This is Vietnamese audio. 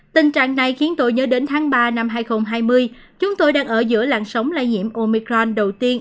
tình trạng này khiến tôi nhớ đến tháng ba năm hai nghìn hai mươi chúng tôi đang ở giữa làng sống lây nhiễm omicron đầu tiên